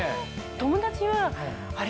友達はあれ？